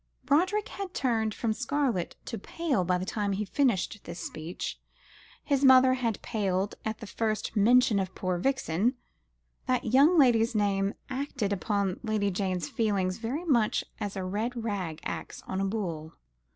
Roderick had turned from scarlet to pale by the time he finished this speech. His mother had paled at the first mention of poor Vixen. That young lady's name acted upon Lady Jane's feelings very much as a red rag acts on a bull.